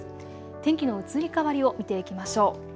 天気の移り変わりを見ていきましょう。